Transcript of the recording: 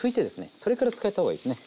それから使った方がいいですね。